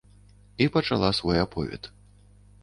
І пачала свой аповед.